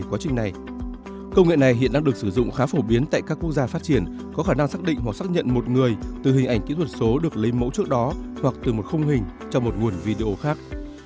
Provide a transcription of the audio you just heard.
công trình này công nghệ này hiện đang được sử dụng khá phổ biến tại các quốc gia phát triển có khả năng xác định hoặc xác nhận một người từ hình ảnh kỹ thuật số được lấy mẫu trước đó hoặc từ một khung hình cho một nguồn video khác